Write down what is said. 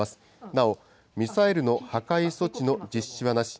なお、ミサイルの破壊措置の実施はなし。